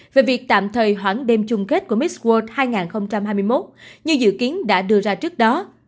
về việc tạm thời hoãn đêm chung kết của mixworld hai nghìn hai mươi một như dự kiến đã đưa ra trước đó